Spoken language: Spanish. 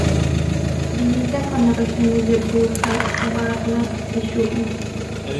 Limita con las regiones de Burgas, Varna y Shumen.